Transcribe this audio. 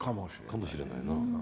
かもしれないな。